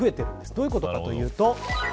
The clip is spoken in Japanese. どういうことかというと。